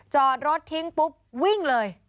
จอดรถทิ้งปุ๊บวิ่งเลย